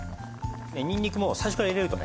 ニンニクも最初から入れるとね